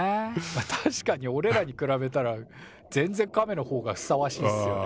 確かにおれらに比べたら全然カメのほうがふさわしいっすよね。